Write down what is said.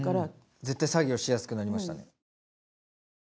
ずっと作業しやすくなりましたね。